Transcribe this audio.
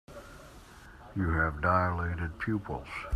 You have dilated pupils.